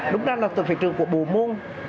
đúng ra là từ trường của bù môn